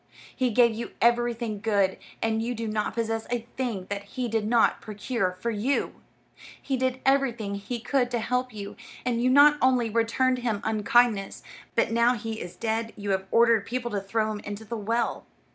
He gave you everything good, and you do not possess a thing that he did not procure for you. He did everything he could to help you, and you not only returned him unkindness, but now he is dead you have ordered people to throw him into the well.